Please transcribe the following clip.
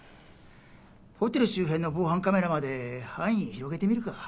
ホテル周辺の防犯カメラまで範囲広げてみるか。